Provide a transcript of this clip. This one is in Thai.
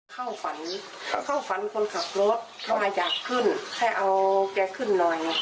เข้าฝันเข้าฝันคนขับรถว่าอยากขึ้นให้เอาแกขึ้นหน่อย